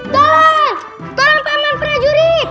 tolong tolong peman prajurit